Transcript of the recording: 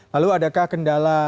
lalu adakah kendalanya